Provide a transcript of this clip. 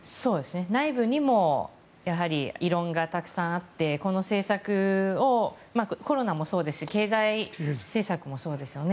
内部にもやはり異論がたくさんあってこの政策をコロナもそうですし経済政策もそうですよね。